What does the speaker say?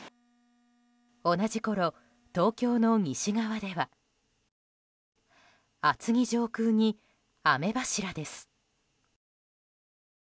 同じころ、東京の西側では厚木上空に雨柱です。